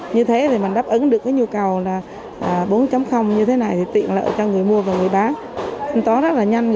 như thế thì mình đáp ứng được cái nhu cầu là bốn như thế này thì tiện lợi cho người mua